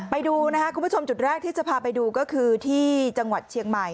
ไปดูนะครับคุณผู้ชมจุดแรกที่จะพาไปดูก็คือที่จังหวัดเชียงใหม่